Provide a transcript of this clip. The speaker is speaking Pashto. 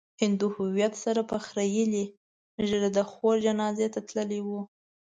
هندو هويت سره په خريلې ږيره د خور جنازې ته تللی و.